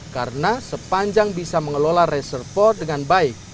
karena sepanjang bisa mengelola reservoir dengan baik